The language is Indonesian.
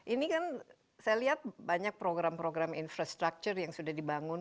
ini kan saya lihat banyak program program infrastructure yang sudah dibangun